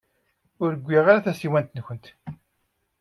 Ur wwiɣ ara tasiwant-nwent.